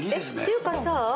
っていうかさ